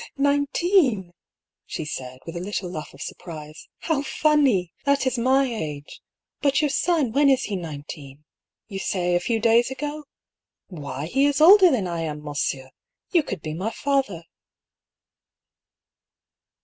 "Nineteen!" she said, with a little laugh of sur prise. " How funny ! That is my age. But your son, when is he nineteen ? You say, a few days ago ? Why, he is older than I am, monsieur? You could be my father."